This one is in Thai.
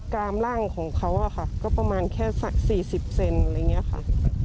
กรามร่างของเขาก็ประมาณแค่๔๐เซนติเซนติเซนอะไรอย่างนี้ค่ะ